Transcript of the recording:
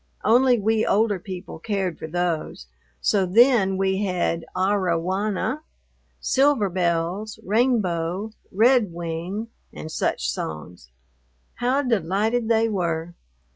Only we older people cared for those, so then we had "Arrah Wanna," "Silver Bells," "Rainbow," "Red Wing," and such songs. How delighted they were!